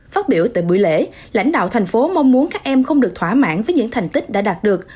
phát biểu tại buổi lễ lãnh đạo thành phố mong muốn các em không được thỏa mãn với những thành tích đã đạt được